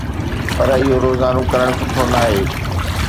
پر اهو روزانو ڪرڻ سٺو ناهي.